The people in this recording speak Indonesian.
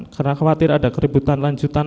karena khawatir ada keributan lanjutan